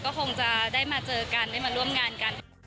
ก็คงจะได้มาเจอกันได้มาร่วมงานกัน